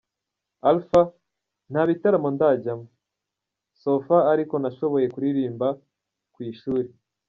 Alpha : Ntabitaramo ndajyamo, so far ariko nashoboye kuririmba ku ishuri.